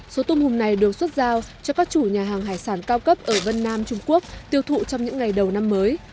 số tôm hùm này được xuất giao cho các chủ nhà hàng hải sản cao cấp ở vân nam trung quốc tiêu thụ trong những ngày đầu năm mới